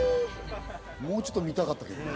もうちょっと見たかったけどな。